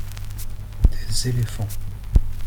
Des éléphants.